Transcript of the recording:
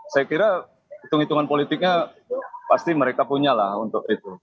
saya kira hitung hitungan politiknya pasti mereka punya lah untuk itu